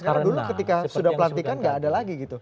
karena dulu ketika sudah pelantikan gak ada lagi gitu